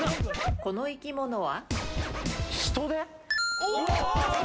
この生き物は？